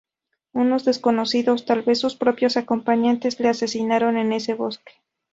Unos desconocidos, tal vez sus propios acompañantes, le asesinaron en ese bosque.